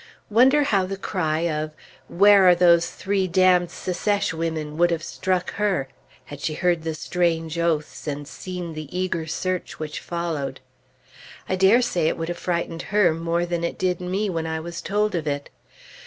Wonder how the cry of "Where are those three damned Secesh women?" would have struck her, had she heard the strange oaths and seen the eager search which followed? I dare say it would have frightened her more than it did me when I was told of it.